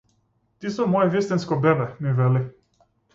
Ти со мое вистинско бебе, ми вели.